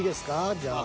じゃあ。